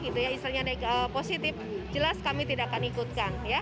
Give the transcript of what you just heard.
istilahnya positif jelas kami tidak akan ikutkan